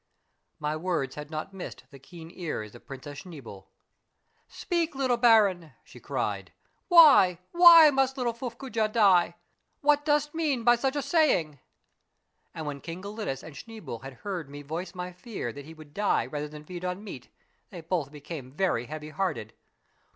" My words had not miss ed the keen ears of Princess Schneeboule. " Speak, little baron," she cried, " why, why, must little Fuff cojah die ? What dost mean by such a saying ?" And when King Gelidus and Schneeboule had heard me voice my fear that he would die rather than feed on meat, they both became very heavy hearted.